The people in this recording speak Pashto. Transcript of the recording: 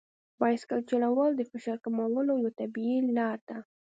بایسکل چلول د فشار کمولو یوه طبیعي لار ده.